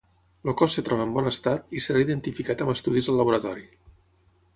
El cos es troba en bon estat i serà identificat amb estudis al laboratori.